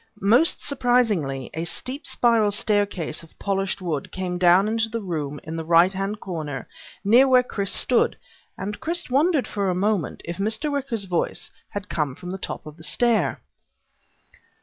Most surprisingly, a steep spiral staircase of polished wood came down into the room in the right hand corner near where Chris stood, and Chris wondered for a moment, if Mr. Wicker's voice had come from the top of the stair.